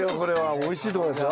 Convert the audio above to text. おいしいと思いますよ。